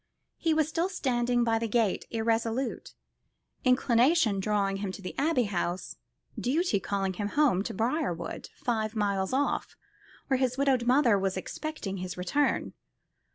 He was still standing by the gate irresolute, inclination drawing him to the Abbey House, duty calling him home to Briarwood, five miles off, where his widowed mother was expecting his return.